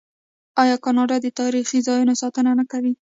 آیا کاناډا د تاریخي ځایونو ساتنه نه کوي؟